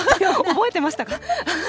覚えてましたか？